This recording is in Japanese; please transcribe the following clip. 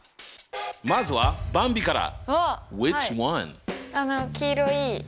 まずはばんびから！